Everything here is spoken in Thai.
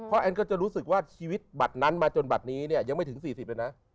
แอนก็จะรู้สึกว่าชีวิตบัตรนั้นมาจนบัตรนี้เนี่ยยังไม่ถึง๔๐เลยนะ